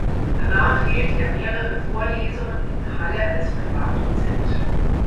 Danach hielt er mehrere Vorlesungen in Halle als Privatdozent.